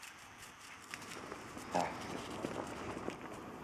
He contributed much to the study of the ancient culture of Germanic peoples.